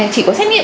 chỉ có xét nghiệm